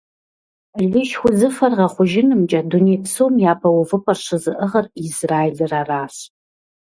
Лышх узыфэр гъэхъужынымкӀэ дуней псом япэ увыпӀэр щызыӀыгъыр Израилыр аращ.